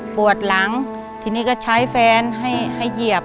ปวดหลังทีนี้ก็ใช้แฟนให้เหยียบ